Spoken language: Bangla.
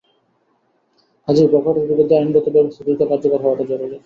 কাজেই বখাটের বিরুদ্ধে আইনগত ব্যবস্থা দ্রুত কার্যকর হওয়াটা জরুরি।